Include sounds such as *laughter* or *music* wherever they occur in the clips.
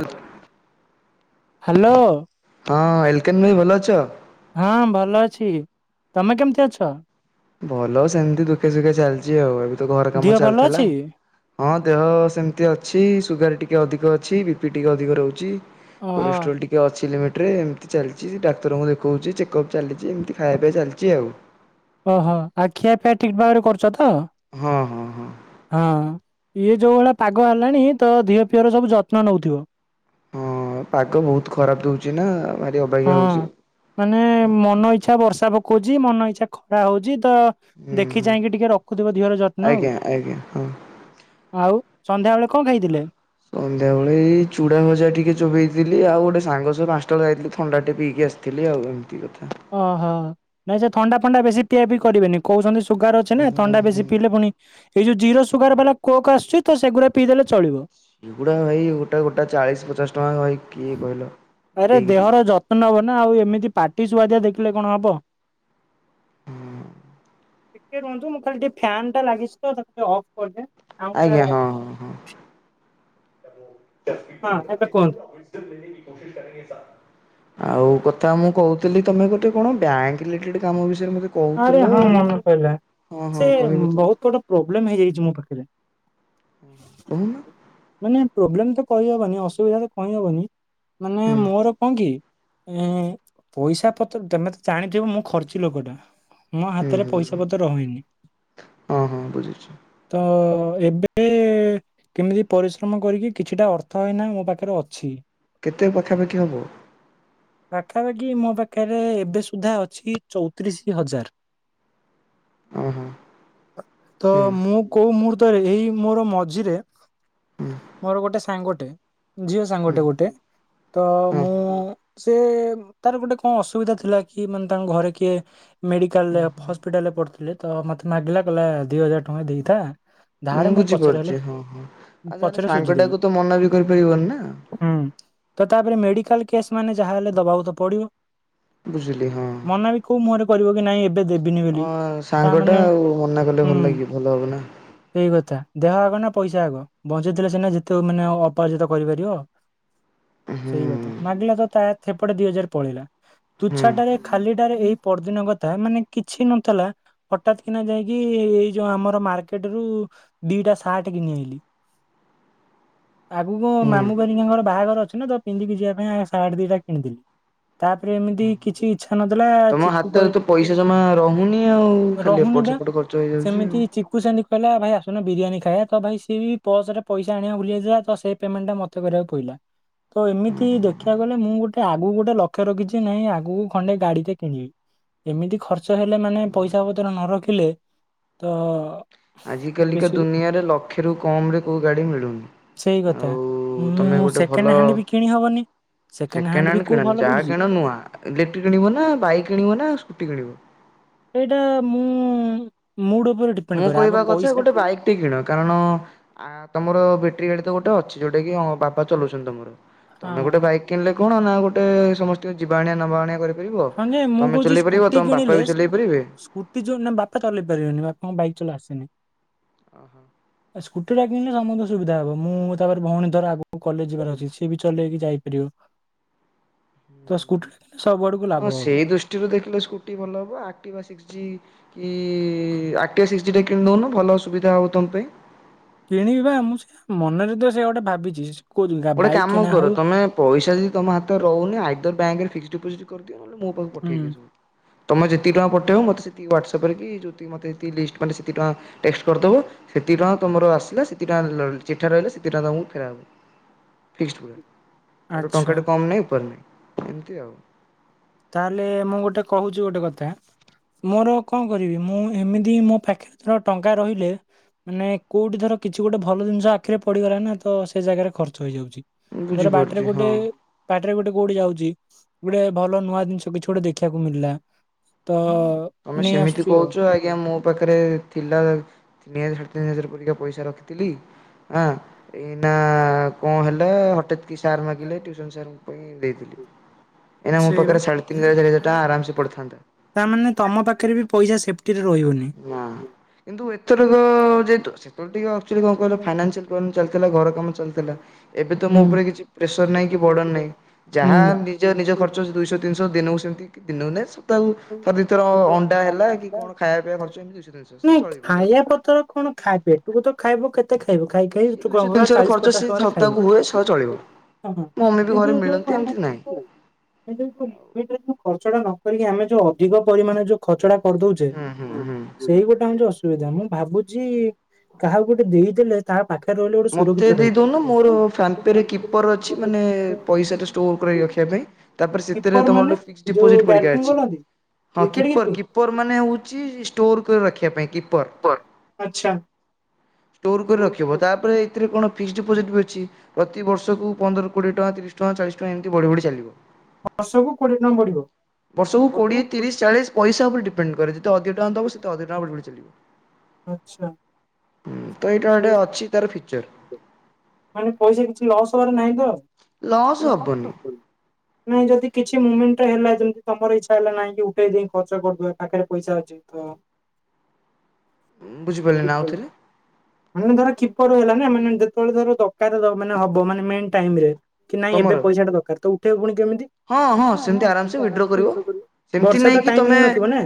Hall *unintelligible* hello. ହଁ ଏଲକେନ୍ ଭାଇ ଭଲ ଅଛ? ହଁ ଭଲ ଅଛି ତମେ କେମିତି ଅଛ? ଭଲ ସେମିତି ଦୁଃଖେ ସୁଖେ ଚାଲିଛି ଆଉ। ଏବେତ ଘର କାମ ଦିହ ଭଲ ଚାଲିଥିଲା ଅଛି? ହଁ ଦେହ ସେମିତି ଅଛି ସୁଗାର ଟି ଟିକେ ଅଧିକ ଅଛି ବିପି ଟିକେ ଅଧିକ ରହୁଛି। ଓହୋ କୋଲେଷ୍ଟ୍ରଲ ଟିକେ ଅଛି ଟ୍ରେ ଏମିତି ଚାଲିଛି ଡାକ୍ତରଙ୍କୁ ଦେଖଉଛି ଚେକପ୍ ଚାଲିଛି ଏମିତି ଖାଇବା ପିଇବା ଚାଲିଛି ଆଉ। ଓହୋ ଆଉ ଖିଆ ପିଆ ଠିକ୍ ଭାବରେ କରୁ ସପିଙ୍ଗି ହଁ ହଁ ହଁ ହଁ। ଇଏ ଯୋଉ ଭଳିଆ ପାଗ ହେଲାଣି ତୋ ଦିହ ପିଅର ସବୁ ଯତ୍ନ ନଉଥିବୁ। ହଁ ପାଗ ବହୁତ ଖରାପ ଦଉଛିନା। ହଁ ମାନେ ମନ ଇଚ୍ଛା ବର୍ଷା। ର୍ଷା ପକଉଛି ମନ ଇଚ୍ଛା ଖରା ହଉଛି। ତ ହୁଁ ଦେଖି ହୁଁ ଚାହିଁକି ଟିକେ ରଖୁଥିବ ଦିଅର ଯତ୍ନ ଆଜ୍ଞା ଆଜ୍ଞା ହଁ। ଆଉ। ସନ୍ଧ୍ୟାବେଳେ କଣ ଖାଇଥିଲେ। ସନ୍ଧ୍ୟାବେଳେ ଏଇ ଚୁଡାଭଜା ଟିକେ ଚୋବେଇଥିଲି ଆଉ ଗୋଟେ ସାଙ୍ଗ ସହ ପାଞ୍ଚଟାବେଳେ ଯାଇଥିଲି ଥଣ୍ଡା ଟେ ପିଇକି ଆସିଥିଲି ଆଉ ଏମିତି କଥା। ଓହୋ ନାଇଁ ସେ ଥଣ୍ଡା ଫଥଣ୍ଡା ବେଶି ପିଆ ପି କରିବେନି କହୁଛନ୍ତି। ସୁଗାର ଅଛି ନା ହୁଁ ଥଣ୍ଡା ବେଶି ହୁଁ ପିଇଲେ ଫୁଣି ଏ ଯଉ ଜିର। ସୁଗାର ବାଲା କୋକ୍ ଆସୁଛି ତ ସେଗୁରା ପିଇଦଲେ ଚଳିବ। ଏଗୁଡା ଭାଇ ଗୋଟା ଗୋଟା ଚାଳିଶ ପଚାଶ। ଟଙ୍କା ଭାଇ କିଏ କହିଲ ଆରେ ଦେଇକି ପିଇବ ଦେହର ଯତ୍ନ ନବ ନା ଆଉ ଏମିତି ପାଟି ସୁଆଦିଆ ଦେଖ। ଲେ କଣ ହେବ। ଟିକେ ରୁହନ୍ତୁ ମୁଁ ଖାଲି ଟିକେ ଫ୍ୟାନଟା ଲାଗିଛି ତ ତାକୁ ଅଫ୍ କରିଦେ। ଆଜ୍ଞା ହଁ ହଁ ହଁ। ହଁ ଏବେ କୁହନ୍ତୁ। ଆଉ କଥା ମୁଁ କହୁ। ତେମେ ଗୋଟେ କଣ ବ୍ୟାଙ୍କ ରିଲେଟେଡ କାମ ବିସ। ଆରେ ହଁ ମନେପହିଲା ହଁ ସେ ହଁ କହିବ ତ ବହୁତ ବଡ ପ୍ରୋବ୍ଲେମ ହେଇଯାଇଛି ମୋ ପାଖରେ କହୁନ ମାନ ପ୍ରୋବ୍ଲେମ ତ। କହିହବନି ଅସୁିଧାତ କହିହବନି। ମାନେ ହୁଁ ମୋର କଣ କି। ଉଁ ପଇସା ପତ୍ର ତମେ ତ ଜାଣିଥିବ ମୁଁ ଖର୍ଚି ଲୋକଟା। ମୋ ହୁଁ ହାତରେ ହୁଁ ପଇସା ହୁଁ। ପତ୍ର ରହେନି ହଁ ହଁ ବୁଝୁଛି ତ। ତ ଏବେ କେମିତି ପରିଶ୍ରମ କରିକି କିଛିଟା ଅର୍ଥ ଏଇନା ମୋ ପାଖରେ ଅଛି। କେତେ ପାଖାପାଖି ହେବ। ପାଖାପାଖି ମୋ ପାଖରେ ଏବେ ସୁଦ୍ଧା ଅଛି ଚଉତିରିଶ ହଁ ହଁ ହଜାର। ତ ହୁଁ ମୁଁ କୋଉ ମୁର୍ତ୍ତ। ତରେ ଏଇ ମୋର ମଝିରେ। ହୁଁ ମୋର ଗୋଟେ ସାଙ୍ଗ। ଟେ। ଝିଅ ହୁଁ। ସାଙ୍ଗଟେ ଗୋଟେ ତ ହଁ ମୁଁ। ହଁ। ସେ ତାର ଗୋଟେ କଣ ଅସୁବିଧା ଥିଲା କି ମାନେ ତାଙ୍କ ଘରେ କିଏ। ମେଡିକାଲରେ ହସ୍ପିଟାଲ ରେ ପଢୁଥିଲେ। ତ ମୋତେ ମାଗିଲା କହିଲେ ଦୁଇ ହଜାର ଟଙ୍କା ଦେଇଥା। ଧାରେ ଉଁ ମୁଁ ପଛରେ ହେଲେ ବୁଝିପାରୁଛି ହଁ ହଁ ଆଛା ଆରେ ପଛରେ ସାଙ୍ଗ ସୁଝିଦେବି ଟାକୁ ତ ମନା ବି କରିପାରିବନି ନା। କଲ କେସ ମାନେ ଯାହାହେଲେ ଦବାକୁ ତ ପଡିବ। ବୁଝିଲି ହଁ। ମନା ବି କୋଉ ମୁହଁରେ କରିବ କି ନାଇଁ ଏବେ ଦେବିନି ବୋଲି ହଁ ସାଙ୍ଗଟା ତାମାନୋନ ଆଉ ମନା କଲେ ଭଲ ହୁଁ ଲାଗିବ ଭଲ ହବ ନା ସେଇ କଥା ଦେହ ନା ପଇସା ଆଗ ବଞ୍ଚେଇଥିଲେ ସନା ଯେତେ ମାନେ ଅପରାଜିତ କରିପାରିବ। ସେଇ କଥା ହୁଁ। ମାଗିଲ ତ ସେପଟେ ଦିଇ ହଜାର ପଳେଇଲା। ହୁଁ ତୁଛା ଟାରେ ଖାଲିଟାରେ ଏଇ ପରଦିନ କଥା ମାନେ କିଛି ନଥିଲା ହଠତ୍ କିନା ଯାଇକି ଏଇ ଯୋଉ ଆମର ମାର୍କେଟ ରୁ ଦିଟା ସାର୍ଟ ଘିନି ଆଇଲି। ଆଗକୁ ହୁଁ ମାମୁ ଘରିକାଙ୍କର ବାହାଘର ଅଛି ନା ତ ପିନ୍ଧିକି ଯିବା ପାଇଁ ଆସ ଦିଟା କିଣିଥିଲି ତାପରେ ଏମିତି କିଛି ଇଚ୍ଛା ନଥିଲା ତମ ଚିକୁ କହି ହାତରେ ତ ପଇସା ଜମା ରହୁନି ଆଉ ଖାଲି ରହୁନି ଏପଟ ବା। ସେପଟ ଖର୍ଚ୍ଚ ହେଇଯାଉଛି ଆଉ। ଜଣେ ବିରିୟାନୀ ଖାଇବା ତ ଭାଇ ସିଏ ବି ପର୍ସ ରେ ପଇସା ଆଣିବାକୁ ଭୁଲି ଯାଇଥିଲା ତ ସେ ପେମେଣ୍ଟ ଟା ମତେ କରିବାକୁ ପଇିଲା ତ ଏମିତି ଦେ ଦେଖିବା ଗଲେ ମୁଁ ଗୋଟେ ଆଗକୁ ଗୋଟେ ଲକ୍ଷ୍ୟ ରଖିଛି ନାଇଁ ଆଗକୁ ଖଣ୍ଡେ ଗାଡ଼ିଟେ କିଣିବି ଏମିତି ଖର୍ଚ୍ଚ ହେଲେ ମାନେ ପଇସା ପତ୍ର ନ ରଖିଲେ ତ ଆଜ କାଲିକା କିଛି ଦୁନିଆରେ ଲକ୍ଷେରୁ କମ୍ ରେ କୋଉ ଗାଡି ସେଇ ମିଳୁନି କଥା ଆଉ ତମେ ମୁଁ ଗୋଟେ ସେକେଣ୍ଡ ଭଲ ହ୍ୟାଣ୍ଡ ବି କିଣି ହବନି। ସେକେଣ୍ଡ ବି ହ୍ୟାଣ୍ଡ କୋଉ କିଣନି ଭଲ ଯାହା ପଡୁଛି କିଣ ନୁଆ ଇଲେକ୍ଟ୍ରିକ କିଣିବ ନା ବାଇକ୍ କିଣିବ ନା ସ୍କୁଟି କିଣିବ? ଏଇଟା ମୁଁ ମୁଡ ଉପରେ ଡିପେଣ୍ଡ ମୁଁ କରେ ଆଗ କହିବା କଥା ପଇସା ଗୋଟେ ଟା ବାଇକ୍ ଟେ କିଣ କାରଣ ଆ ତମର ବେ ଟ୍ରି ଗାଡି ତ ଗୋଟେ ଅଛି ଯୋଉଟା କି ବାପ ଚଲୁଛନ୍ତି ତମର। ତମେ ହଁ। ଗୋଟେ ବାଇକ୍ କିଣିଲେ କଣ ନା ଗୋଟେ ସମସ୍ତେ ଯିବା ଆଣିଆ ନବା ଆଣିଆ କରିବ ହଁ ଯେ ମୁଁ କହୁଛି ସ୍କୁଟି କିଣିଲେ ବି ଚଲେଇ ପାରିବେ। ସ୍କୁଟି ଯୋଉ ନାଇଁ ବାପା ଚଲେଇ ପାରିବେନି ବାପାଙ୍କ ବାଇକ୍ ଲେଈ ଆସେନି ସ୍କୁଟିଟା କିଣିଲେ ସମସ୍ତଙ୍କୁ ସୁବିଧା ହବ ମୁଁ ତାପରେ ଭଉଣୀ ଧର ଆଗକୁ କଲେଜ ଯିବାର ଅଛି ସି ବି ଚଲେଇକି ଯାଇପାରିବ ତ ସ୍କୁଟି ଟା ସବୁ ଆଡେ ହଁ ସେଇ ଦୃଷ୍ଟିରୁ ଦେଖିଲେ ସ୍କୁଟି ଭଲ ହବ ଏକ୍ଟିଭା ସିକ୍ସ ଜି କି ଆକ୍ଟିଭ ସିକ୍ସ ଜି କିଣିଦଉନୁ ଭଲ ସୁବିଧା ହବ ତମ ପାଇଁ। କିଣିବା ମୁଁ ସେ ମନେରେତ ସେ ଗୋଟେ ଭାବିଛି। କୋଉ ଗା- ଗୋଟେ ବାଇକ୍ କାମ କିଣା କର ହଉ ତମେ ପଇସା ଯଦି ତମ ହାତରେ ରହୁନି ଆଇଦର୍ ବ୍ୟାଙ୍କରେ ଫିକ୍ସ ଡିପୋଜିଟ କର ନହେଲେ ମୋ ପାଖକୁ ହୁଁ। ପଠେଇ ସବୁ ତୁମେ ଯେତିକ ଟଙ୍କା ପଠେଇବ ମୋତେ ସେତିିକି ହ୍ଵାଟ୍ସଆପରେ କି ଯେ ମୋତେ ଲିଷ୍ଟ ମାନେ ସେତିକ ଟଙ୍କା ଟେକ୍ସଟ କରିଦେବ ସେତିକ ଟଙ୍କା ତୁମର ଆସିଲା ସେତି ଟଙ୍କା ଚିଠା ରହିଲେ ସେତିକ ଟଙ୍କା ତମକୁ ଫେରା ହେବ। ଫିକ୍ସ ପରେ ତାଠୁ ଆଚ୍ଛା ଟଙ୍କା ଟୁ କମ ନାଇଁ ଉପରେ ନାଇଁ। ଏମିତି ଆଉ। ତାହେଲେ ମୁଁ ଗୋଟେ କହୁଛି ଗୋଟେ କଥା ମୋର କଣ କରିବି ମୁଁ ଏମିତି ମୋ ପାଖରେ ଟଙ୍କା ରହିଲେ ମାନେ କୋଉଠି ଧର କିଛି ଗୋଟେ ଭଲ ଜିନିଷ ଆଖିରେ ପଡିଗଲା ନା ତ ସେ ଜାଗାରେ ଖର୍ଚ୍ଚ ହେଇଯାଉଛି। ଧର ବାଟରେ ବୁଝିପାରୁଛି ଗୋଟେ ହଁ। ପା ଗୋଟେ କଉଟି ଯାଉଛି ଗୋଟେ ଭଲ ନୂଆ ଜିନିଷ କିଛି ଗୋଟେ ଦେଖିବାକୁ ମିଳିଲା ତ । ତମେ ସେମିତି କହୁଛ ଆଜ୍ଞା ମୋ ପାଖରେ ଥିଲା । ତିନି ହଜାର ସାଢ଼େ ତିନି ହଜାର ପରିକା ପଇସା ରଖିଥିଲି ହଁ ଏଇନା କଣ ହେଲା ହଠାତ୍ । ସାର୍ ମାଗିଲେ ଟ୍ୟୁସନ ସାର୍ ଙ୍କ । ପାଇଁ ଦେଇଥିଲି । ଏଇନା ମୋ ସେଇବା ପାଖରେ ସାଢେ ତିନି ଚାରିହଜାର ଟଙ୍କା ଆରାମସେ ପଡିଥାନ୍ତା ତାମାନେ ତମ ପାଖରେ ବି ପଇସା ସେଫଟ । ନାଁ କିନ୍ତୁ ଏଥରକ ଯେହତୁ । ସେତେବେଳେ ଟିକେ ଆକ୍ଚୁଆଲି କଣ କହିଲା ଫାଇନାନ୍ସିଆଲ୍ ପ୍ରୋବ୍ଲେମ୍ ଚାଲିଥିଲା ଘର କାମ ଚାଲିଥିଲା ଏବେ ତ ମୋ ଉପରେ ହୁଁ। କିଛି ପ୍ରେସର ନାହିଁ କି ବର୍ଡ଼ନ ନାହିଁ ଯାହା ହୁଁ ନିଜ ନିଜ ଖର୍ଚ୍ଚ ଦୁଇଶହ ତିନିଶହ ଦିନକୁ ସେମିତି । ଦିନକୁ ନୁହେଁ ସପତାହ କୁ ଥରେ ଦି ଥର ଅଣ୍ଡା ହେଲା କି କଣ । ନାଇଁ ଖାଇବା କତର କଣ ଖାଇବେ ତୁ ତ ଖାଇବୁ କେତେ । ଖାଇବୁ ଖାଇ ଖାଇ ସିଏ ତୁ କଣ ଦୁଇଶହ କଲୁ ନା ତିନିଶହର ଚାଳିଶ ଖର୍ଚ୍ଚ ପଚାଶ ସେ ଟଙ୍କାର ଖାଇବ ସପ୍ତାହକୁ ହୁଏ ସହ ଚଳିବ। ମୋ ମମି ବି କିନ୍ତୁ ଘରେ ଯୋ ମିଳନ୍ତି ଏମିତି ନାହିଁ। *unintelligible* ଖର୍ଚ୍ଚଟା ନ । କରିକି ଆମେ ଯୋ ଅଧିକ ପରିମାଣ ଯୋଉ ଖର୍ଚ୍ଚଟା । କରିଦଉଛେ ହୁଁ ହୁଁ ହୁଁ ସେଇ ଗୋଟେ ହଉଛି ଅସୁବିଧା ମୁଁ । ଭାବୁଛି କାହାକୁ ଗୋଟେ ଦେଇଦେଲେ ତା ପାଖରେ ରହିଲେ ଗୋଟେ ମତେ ସୁରକ୍ଷିତ ରହିବ। ଦେଇଦଉନ ମୋର ଫାନ୍ ପେରେ କିପର ଅଛି ମାନେ ପଇସା ଟା ଷ୍ଟୋର କରି ରଖିବା ପାଇଁ । ତାପରେ ସେଥିରେ କିପର ତମର ମାନେ ଗୋଟେ ଫିକ୍ସ ଯୋଉ ଡିପୋଜିଟ୍ ପରୀକା ବ୍ୟାଟିଂ ଅଛି କରନ୍ତି ହଁ ୱିକେଟ କିପର କିପିଙ୍ଗ କିପର ମାନେ ହଉଛି । ଷ୍ଟୋର କାରି ରଖିବା ପାଇଁ କିପ ପର ଆଚ୍ଛା ଷ୍ଟୋର କରି ରଖିବ । ଏଥିରେ କଣ ଫିକ୍ସ ଡ଼ିପୋଜିଟବି ଅଛି ପ୍ରତି ବର୍ଷକୁ ପନ୍ଦର କୋଡିଏ ଟଙ୍କା ତିରିଶ ଟଙ୍କା ଚାଳିଶ ଟଙ୍କା ଏମିତି ବଢି ବଢି ଚାଲିବ । ବର୍ଷକୁ କୋଡିଏ ଟଙ୍କା ପଡିବ। ବର୍ଷକୁ କୋଡିଏ ତିରିଶ ଚାଳିଶ ପଇସା ଉପରେ ଡ଼ିପେ ପେଣ୍ଡ କରେ । ଯେତେ ଅଧିକ ଟଙ୍କାଦବ ସେତେ ଅଧିକ ଟଙ୍କା ବଢ଼ିବଢ଼ି ଚାଲିବ । ଆଛା । ହୁଁ ତ ଏଇଟା ଗୋଟେ ଅଛି । ମାନେ ପଇସା କିଛି ଲସ୍ ହବାର ନାହିଁ ତ ଲସ୍ ହବନି । ନାଇ ଯଦି କିଛି ମୁମେଣ୍ଟ ହେଲା । ତମର ଇଚ୍ଛା ହେଲା, ନାଇଁ କି ଉଠେଇ ଦେଇ ଖର୍ଚ୍ଚ କରିଦେବି ପାଖରେ ପଇସା ଅଛି ତ! ବୁଝିପାରିଲେ ନା ଆଉଥରେ ମୁ ଧର କିପରୁ ହେଲା । ମାନେ ଯେତେବେଳେ ଧର ଦର ମାନେ ହବ ମାନେ ମେନ ଟାଇମ ରେ କି ନାଇଁ ଏବେ ତମର ପଇସା ଟା ଦରକାର ତ ଉ ଠେଇବୁ ଫୁଣି ହଁ ସେମିତି ଆରାମସେ ୱିଡ୍ର କରିବ ହଁମ ସେମିତି ବର୍ଷେ ତ ନାଇଁ କି ଟାଇମ ତମେ ହେଇନଥିବ ନା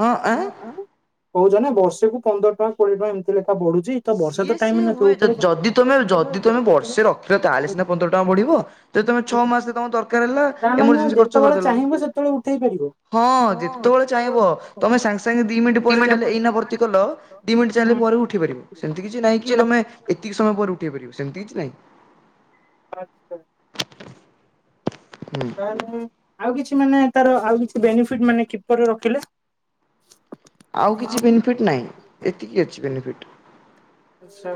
ହଁ ଆଁ କହୁଛ ନା ବର୍ଷେକୁ ପନ୍ଦର କଣ କୋଡ଼ିଏ ଟଙ୍କା ଏମତି ବଢୁଛି ତ ବର୍ଷା ତ ସିଏ ଟାଇମ ସିଏ ହୁଏ ନ ଯଦି ତମେ ଯଦି ତମେ ବର୍ଷେ ରଖିଲ ତାହେଲେ ସିନା ପନ୍ଦର ଟଙ୍କା ବଢିବ ଯଦି ତମେ ଛଅ ମାସରେ ତମ ଦରକାର ହେଲା ତା ମାନେ ଏମରଜେନ୍ସି ଖର୍ଚ୍ଚ ଯେତେବେଳେ କରିଦେଲ। ଚାହିଁବ ସେତେବେଳେ ଉଠେଇ ପାରିବ ହଁ ଯେତେବେଳେ ଚାହିଁବ ତମେ ସାଙ୍ଗେ ସାଙ୍ଗେ ଦି ମିନିଟ୍ ପରେ ଚାହିଁଲେ ଏଇନା ଭର୍ତ୍ତି କଲ ଦି ମିନିଟ୍ ଚାହିଁଲେ ପରେ ଉଠେଇପାରିବ । ସେମିତି କିଛି ନାଇଁ କି ତମେ ଏତିକି ସମୟ ପରେ ଉଠେଇ ପାରିବ ସେମିତି କିଛି ନାଇଁ। ଆଚ୍ଛା। ହୁଁ ତାହାଲେ ଆଉ କିଛି ମାନେ ତାର ଆଉ କିଛି ବେନିଫିଟ ମାନେ କିପରିରେ ରଖିଲେ? ଆଉ କିଛି ବେନିଫିଟ ନାହିଁ ଏତିକି ଅଛି ବେନିଫିଟ୍। ଆଛା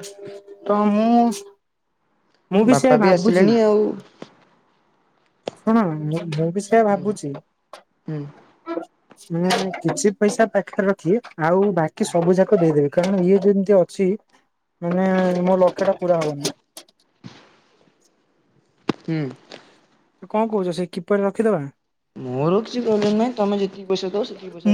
ତ ମୁଁ ମୁଁ ସେୟା ବାପା ବି ଭାବୁଛି ଆସିଲେଣି ଆଉ ଶୁଣ ମୁଁ ମୁଁ ବିଷୟରେ ହୁଁ ଭାବୁଛି ହୁଁ କିଛି ପଇସା ପାଖରେ ରଖି ଆଉ ବାକି ସବୁ ଯାକ ଦେଇଦେବି କାରଣ ଇଏ ଯେମିତି ଅଛି ମାନେ ମୋ ଲକ୍ଷ ଟା ପୁରା ହବନି। ହୁଁ। ତୁ କଣ କହୁଛ ସେ କିପରିରେ ରଖିଦବା। ମୋର କିଛି ପ୍ରୋବ୍ଲେମ ନାହିଁ ତମେ ଯେ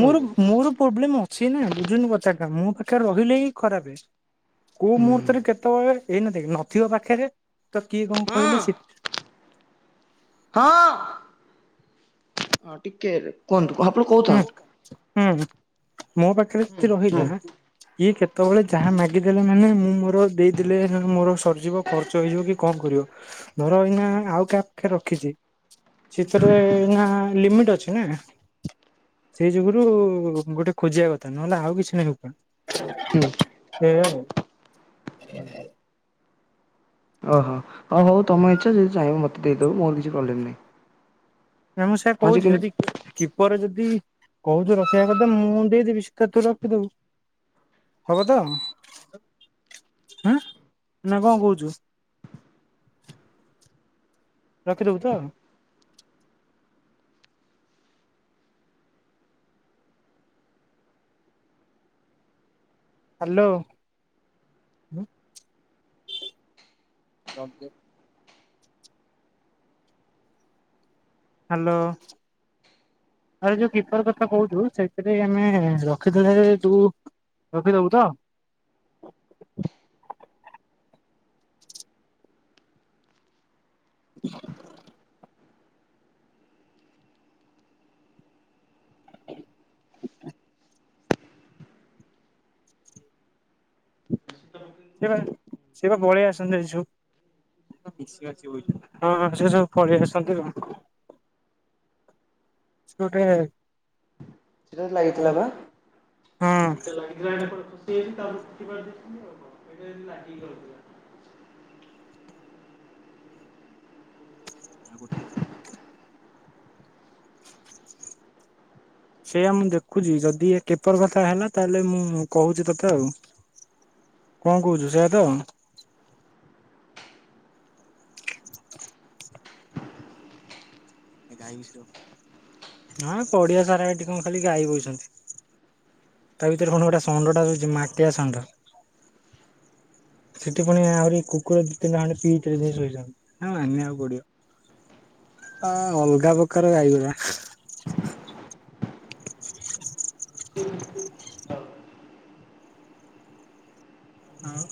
ମୋର ମୋର ପ୍ରୋବ୍ଲେମ ଅଛି ନା ବୁଝୁନି କଥା ଆ ମୋ ପାଖରେ ରହିଲେ ହି ଖରାପ ।କୋଉ ମୁହୂର୍ତ୍ତରେ କେତେବେଳେ ଏଇନେ ଦେଖେ ନଥିବ ପାଖରେ ତ କିଏ କଣ ହଁ କହିଲେ ଶୀତ ହଁ। ହଁ ଟିକେ କୁହନ୍ତୁ କ ହୁଁ ହୁଁ ମୋ ପାଖରେ ହୁଁ ଯି ହୁଁ ରହିଲା ଇଏ କେତେବେଳେ ଯାହା ମାଗିଦେଲେ ମାନେ ମୁଁ ମୋର ଦେଇଦେଲେ ମୋର ସରିଯିବ ଖର୍ଚ୍ଚ ହେଇଯିବ କି କଣ କରିବ ଧର ଏଇନା ଆଉ କା ପାଖ ରଖିଛି ସେଇଥିରେ ନା ଲିମିଟ ଅଛି ନା। ସେଇ ଯୁଗୁରୁ ଗୋଟେ ଖୋଜିବା କଥା ନହେଲେ ଆଉ କିଛି ନାହିଁ କଣ। ହୁଁ । *inaudible* ଓହୋ ହଉ ହଉ ତମ ଇଚ୍ଛା ଯଦି ଚାହିଁବ ମତେ ଦେଇଦବୁ ମୋର କିଛି ପ୍ରୋବଲେମ ନାହିଁ। ନା ମୁଁ ସେ ହଁ ଯେ କହୁଛି କିନ୍ତୁ ଯଦି କିପର ଯଦି କହୁଛୁ ରଖିଆ କଥା ମୁଁ ଦେଇଦେବି ସେଥିରୁ ତୁ ରଖିଦବୁ ହବ ତ ହାଁ ନା କଣ କହୁଛୁ। ରଖିଦବୁ ତ? ହାଲୋ । ହାଲୋ ଆରେ ଯୋଉ କିପର କଥା କହୁଚୁ, ସେଥିରେ ଆମେ ରଖିଦେଲେ ଯୋଉ ରଖିଦବୁ ତ? *unintelligible* *unintelligible* ସେ ବା ସେ ବା ପଳେଇ ଆସନ୍ତି ଆଜି ସବୁ। ହଁ ହଁ ସେ ସବୁ ପଳେଇ ଆସନ୍ତି। ସେ ଗୋଟେ ସେଟାରେ ଲାଗିଥିଲା ବା? ହଁ। ଆଉ ଗୋଟେ। ସେଆ ମୁଁ ଦେଖୁଚି ଯଦି ଏ କେପର କଥା ହେଲା ତାହେଲେ ମୁଁ କହୁଚି ତୋତେ ଆଉ କଣ କହୁଚୁ ସେଆ ତ? ଆଁ ପଡିଆ ସାରା ଏଠି କଣ ଖାଲି ଗାଈ ବଇଛନ୍ତି। ତା ଭିତରେ ଖଣ ଗୋଟେ ଷଣ୍ଡ ଟା ରହିଛି ମାଟିଆ ଷଣ୍ଢ। ସେଠି ପୁଣି ଆହୁରି କୁକୁର ଦି ତିନିଟା ଖଣ୍ଡେ ପିଇଥିଲ ଶୋଇଚନ୍ତି। ହଁ ଅଲଗା ପ୍ରକାର ଗାଇଗୁରା। ଆଉ।